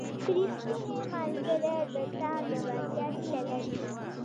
• ریښتینی ملګری د تا د بریا هیله لري.